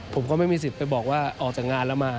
ผมก็ไม่มีสิทธิ์ไปบอกว่าออกจากงานแล้วมา